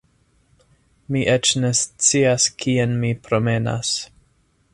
Mi eĉ ne scias kien mi promenas